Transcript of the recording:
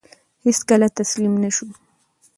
هیڅکله تسلیم نه شو.